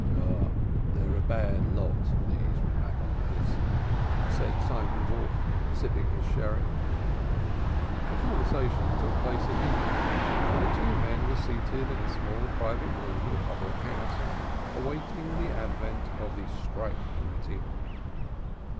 "Ah, they are a bad lot, these Rabbis," said Simon Wolf, sipping his sherry. The conversation took place in English and the two men were seated in a small private room in a public house, awaiting the advent of the Strike Committee.